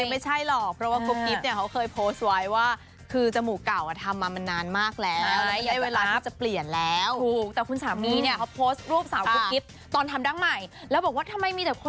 ยกจริงไม่ใช่หรอเพราะว่าคุณกิ๊บเนี่ยเค้าเคยโพสต์ไว้ว่า